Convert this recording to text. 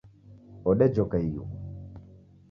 Odejoka ighu